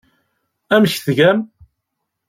Amek tgam?